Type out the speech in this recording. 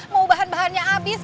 mau bahan bahannya habis